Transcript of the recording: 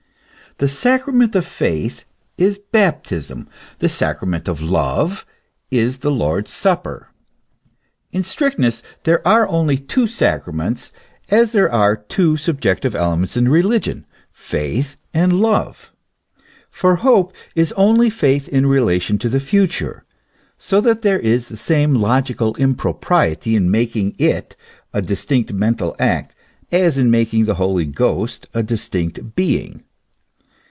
The sacrament of Faith is Baptism, the sacrament of Love is the Lord's Supper. In strictness there are only two sacraments, as there are two subjective elements in religion, Faith and Love : for Hope is only faith in relation to the future ; so that there is the same logical impropriety in making it a distinct mental act as in making the Holy Ghost a distinct being.